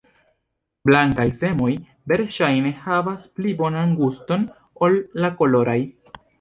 Blankaj semoj verŝajne havas pli bonan guston ol la koloraj.